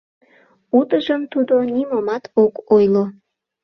— Утыжым тудо нимомат ок ойло.